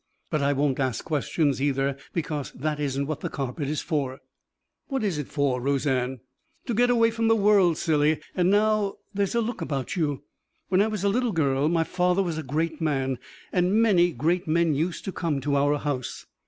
But I won't ask questions, either, because that isn't what the carpet is for." "What is it for, Roseanne?" "To get away from the world, silly. And now there's a look about you. When I was a little girl, my father was a great man, and many great men used to come to our house.